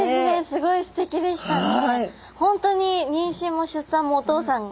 すごいすてきでしたね。